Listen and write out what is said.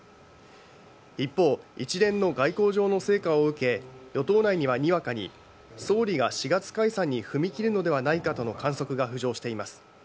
一方、一連の外交上の成果を受け与党内にはにわかに総理が４月解散に踏み切るのではないかとの観測が浮上しています。